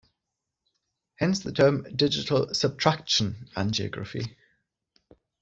Hence the term 'digital "subtraction" angiography'.